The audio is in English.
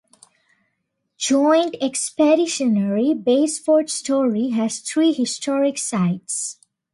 Joint Expeditionary Base Fort Story has three historic sites.